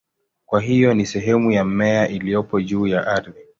Kwa hiyo ni sehemu ya mmea iliyopo juu ya ardhi.